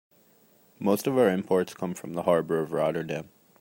Most of our imports come from the harbor of Rotterdam.